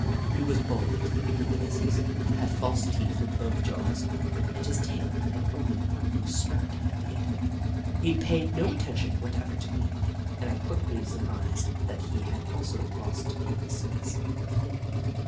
He was bald in many places, had false teeth in both jaws, and his tail had only one new sprout at the end of it. He paid no attention whatever to me, and I quickly sur mised that he had also lost the sense of hearing.